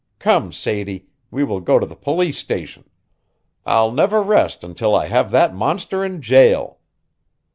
Come, Sadie, we will go to the police station. I'll never rest until I have that monster in jail."